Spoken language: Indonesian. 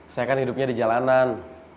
saya kan hidupnya di jalanan